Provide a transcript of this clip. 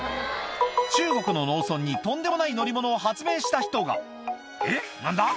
中国の農村にとんでもない乗り物を発明した人がえっ何だ？